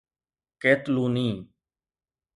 قيطلوني